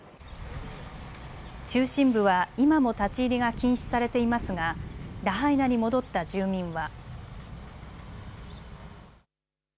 中心部は今も立ち入りが禁止されていますがラハイナに戻った住民は。